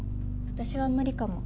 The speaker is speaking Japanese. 私は無理かも。